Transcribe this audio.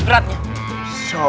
sebelum itu bisa sudah akrab